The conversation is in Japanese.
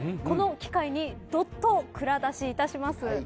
この機会にどっと蔵出しいたします。